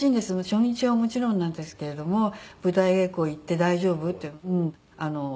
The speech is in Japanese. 初日はもちろんなんですけれども「舞台稽古行って大丈夫？」っていうのを。